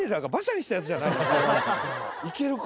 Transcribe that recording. ・行けるか？